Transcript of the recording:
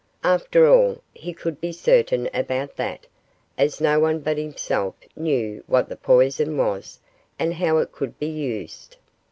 After all, he could be certain about that, as no one but himself knew what the poison was and how it could be used.